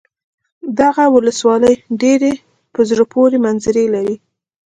دغه ولسوالي ډېرې په زړه پورې منظرې لري.